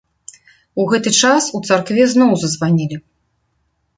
У гэты час у царкве зноў зазванілі.